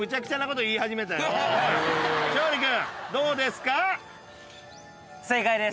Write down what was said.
勝利君どうですか？